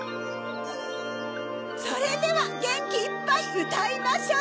それではゲンキいっぱいうたいましょう！